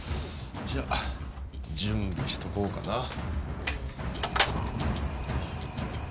じゃあ準備しとこうかな。